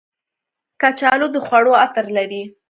کچالو د خوړو عطر لري